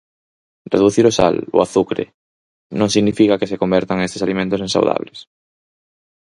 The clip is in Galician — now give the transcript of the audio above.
Reducir o sal, o azucre... non significa que se convertan estes alimentos en saudables.